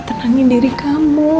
tenangin diri kamu